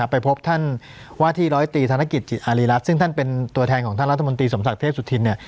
ไปพบท่านว่าที่ร้อยตีธนกิจจิตอารีรัฐซึ่งท่านเป็นตัวแทนของท่านรัฐมนตรีสมศักดิ์เทพสุธินเนี่ย